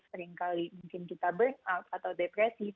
seringkali mungkin kita burn out atau depresi